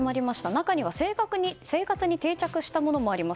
中には生活に定着したものもあります。